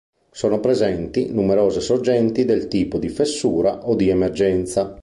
Sono presenti numerose sorgenti del tipo di fessura o di emergenza.